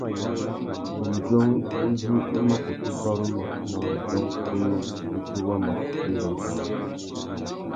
Undjông uzu i mà kutu baruma nà undjông kunú uzu wa mà kutu ndénda awô.